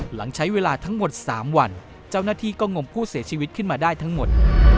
หลังใช้เวลาทั้งหมด๓วันเจ้าหน้าที่ก็งมผู้เสียชีวิตขึ้นมาได้ทั้งหมด